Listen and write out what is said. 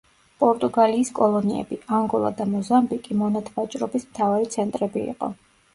პორტუგალიის კოლონიები: ანგოლა და მოზამბიკი მონათვაჭრობის მთავარი ცენტრები იყო.